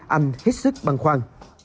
anh hết sức băng khoăn